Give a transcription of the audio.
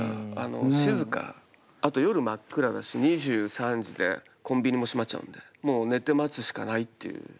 あと夜真っ暗だし２３時でコンビニも閉まっちゃうんでもう寝て待つしかないっていう。